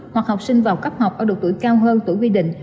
hoặc học sinh vào cấp học ở độ tuổi cao hơn tuổi quy định